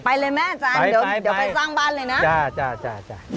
ไปเลยนะอาจารย์เดี๋ยวไปสร้างบ้านหน่อยนะไปจ้ะ